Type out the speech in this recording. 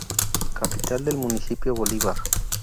Capital del municipio Bolívar.